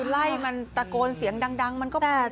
ไล่มันตะโกนเสียงดังมันก็แบบ